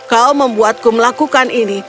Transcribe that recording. kau membuatku melakukan ini